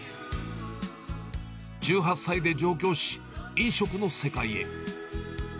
１８歳で上京し、飲食の世界へ。